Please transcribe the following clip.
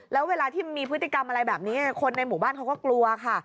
แล้วเวลาที่มีพฤติกรรมอะไรแบบนี้คนในหมู่บ้านเขาก็กลัวค่ะ